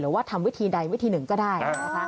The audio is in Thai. หรือว่าทำวิธีใดวิธีหนึ่งก็ได้